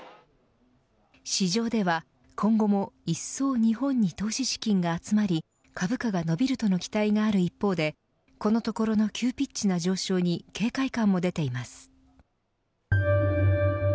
市場では、今後もいっそう日本に投資資金が集まり、株価が伸びるとの期待がある一方でこのところの急ピッチな上昇に警戒感も出ています。